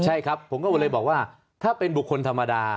ใช่ครับผมก็เลยบอกว่าถ้าเป็นบุคคลธรรมดา